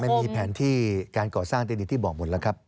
มันมีแผนที่การก่อสร้างแต่อย่างที่บอกหมดแล้วครับ